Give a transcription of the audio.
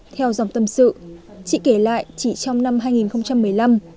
theo dòng tâm sự chị kể lại chỉ trong năm hai nghìn một mươi năm